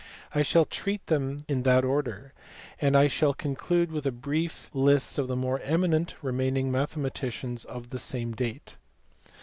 I shall treat them in that order, and I shall conclude with a brief list of the more eminent remaining mathematicians of the same date.